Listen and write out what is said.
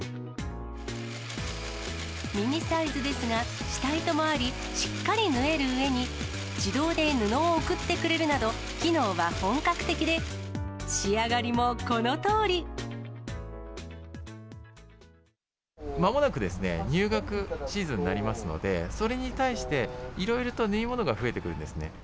ミニサイズですが、下糸もあり、しっかり縫えるうえに、自動で布を送ってくれるなど、機能は本格的で、まもなくですね、入学シーズンになりますので、それに対していろいろと縫い物が増えてくるんですね。